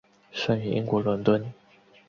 生于英国伦敦。